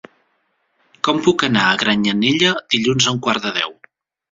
Com puc anar a Granyanella dilluns a un quart de deu?